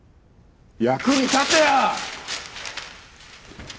役に立てよ！